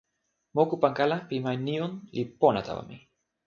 moku pan kala pi ma Nijon li pona tawa mi.